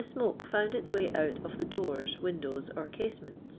n >ke iuund its way out of the doori, window*, or ea«eni<'nt.